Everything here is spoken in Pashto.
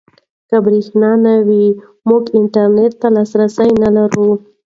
که برېښنا نه وي موږ انټرنيټ ته لاسرسی نلرو.